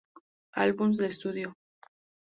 Albums de estudio